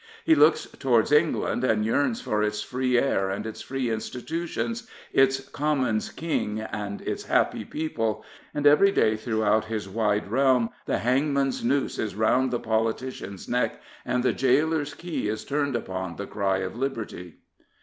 He looks towards England and yearns for its free air and its free institutions, its Commons' King and its happy people, and every day throughout his wide realm the hangman's no^se is round the politician's neck and the gaoler's key is turned upon the cry of liberty.